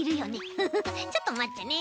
フフフちょっとまってね。